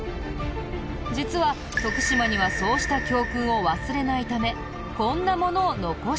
実は徳島にはそうした教訓を忘れないためこんなものを残しているみたい。